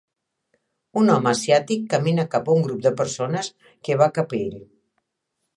Un home asiàtic camina cap a un grup de persones que va cap a ell.